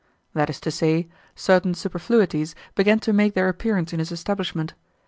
That is to say, certain superfluities began to make their appearance in his establishment.